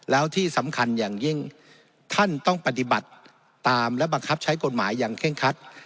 แล้วที่สำคัญอย่างยิ่งท่านต้องปฏิบัติตามและบังคับใช้กฎหมายอย่างเคร่งคัด